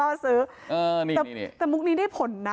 ซื้อแต่มุกนี้ได้ผลนะ